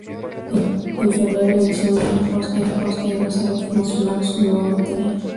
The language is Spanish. En febrero inició una gira por la costa y Rosario promocionando su nuevo material.